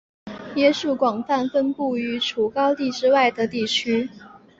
椰树广泛分布于除高地之外的地区。